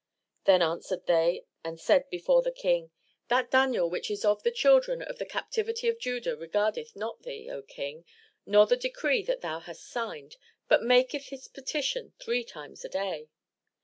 Then answered they and said before the King: "That Daniel which is of the children of the captivity of Judah regardeth not thee, O King, nor the decree that thou hast signed, but maketh his petition three times a day."